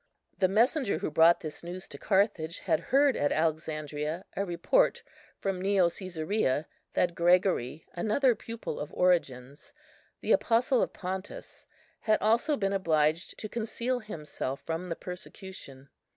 The messenger who brought this news to Carthage had heard at Alexandria a report from Neocæsarea, that Gregory, another pupil of Origen's, the Apostle of Pontus, had also been obliged to conceal himself from the persecution.